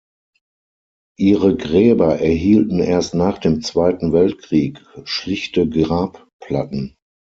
Ihre Gräber erhielten erst nach dem Zweiten Weltkrieg schlichte Grabplatten.